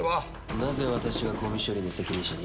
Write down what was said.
なぜ私がゴミ処理の責任者に？